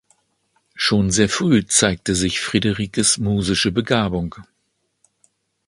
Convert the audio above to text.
Schon sehr früh zeigte sich Friederikes musische Begabung.